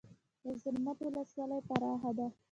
د زرمت ولسوالۍ پراخه ده